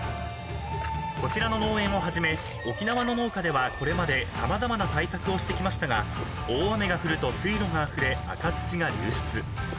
［こちらの農園をはじめ沖縄の農家ではこれまで様々な対策をしてきましたが大雨が降ると水路があふれ赤土が流出］